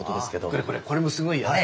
これこれこれもすごいよね。